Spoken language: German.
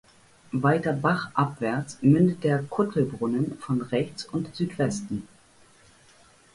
Weiter bachabwärts mündet der Kuttelbrunnen von rechts und Südwesten.